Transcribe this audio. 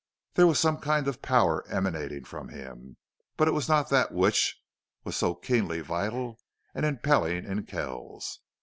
There was some kind of power emanating from him, but it was not that which, was so keenly vital and impelling in Kells.